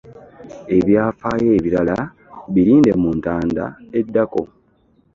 Ebyafaayo ebirala birinde mu Entanda eddako.